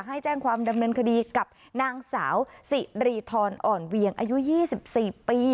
ให้แจ้งความดำเนินคดีกับนางสาวสิริธรอ่อนเวียงอายุ๒๔ปี